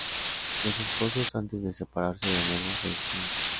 Los esposos, antes de separarse de nuevo, se despiden.